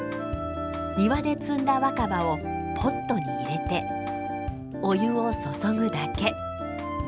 庭で摘んだ若葉をポットに入れてお湯を注ぐだけ。